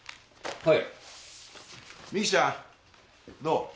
はい。